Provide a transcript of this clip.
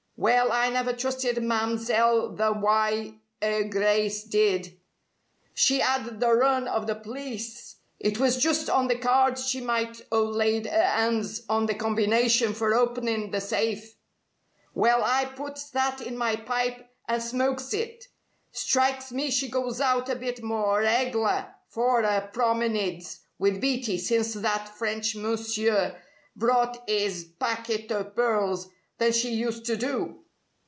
Well, I never trusted Mam'selle the wye 'er Grice did. She 'ad the run o' the plice. It was just on the cards she might o' laid 'er 'ands on the combination for openin' the safe. 'Well, I puts that in my pipe an' smokes it. Strikes me she goes out a bit more reg'lar for 'er prominides with Beatty since that French Mounseer brought 'is packet o' pearls, than she used to do.